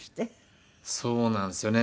そうなんですよね。